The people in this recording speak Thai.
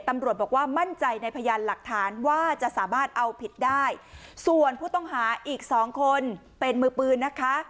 ตำรวจบอกว่ามั่นใจในพยานหลักฐานว่าจะสามารถเอาผิดได้ส่วนผู้ต้องหาอีกสองคนเป็นมือปืนนะคะ